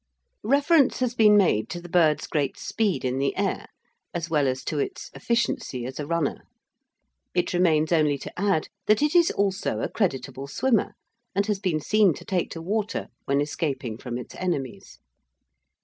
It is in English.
Reference has been made to the bird's great speed in the air, as well as to its efficiency as a runner. It remains only to add that it is also a creditable swimmer and has been seen to take to water when escaping from its enemies.